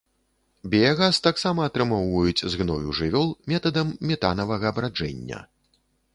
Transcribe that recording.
Біягаз таксама атрымоўваюць з гною жывёл метадам метанавага браджэння.